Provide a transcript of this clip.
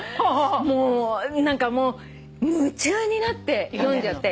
もう夢中になって読んじゃって。